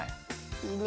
いいね。